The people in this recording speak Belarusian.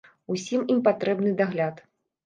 Усім ім патрэбны дагляд.